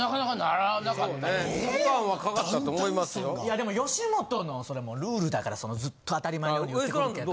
でも吉本のそれルールだからずっと当たり前のように言ってくるけど。